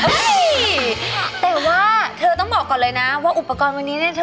แต่ว่าเธอต้องบอกก่อนเลยนะว่าอุปกรณ์วันนี้เนี่ยเธอ